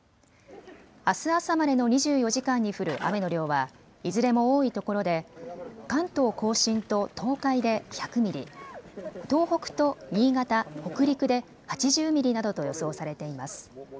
あす朝までの２４時間に降る雨の量はいずれも多いところで関東甲信と東海で１００ミリ、東北と新潟、北陸で８０ミリなどと予想されています。